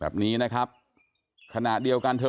แบบนี้นะครับขณะเดียวกันเธอ